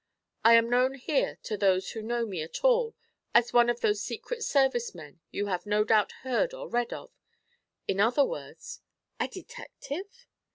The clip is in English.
I am known here to those who know me at all as one of those secret service men you have no doubt heard or read of. In other words ' 'A detective?'